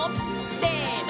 せの！